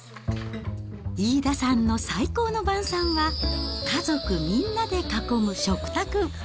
飯田さんの最高の晩さんは、家族みんなで囲む食卓。